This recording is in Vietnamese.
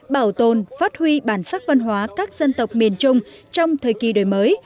bảo tồn phát huy bản sắc văn hóa các dân tộc miền trung trong thời kỳ đổi mới